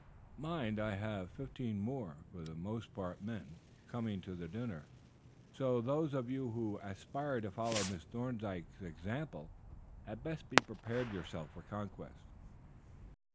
Mind, I have fifteen more, for the most part men, coming to dinner, so those of you who aspire to follow Miss Thorndyke's example had best prepare yourselves for conquest."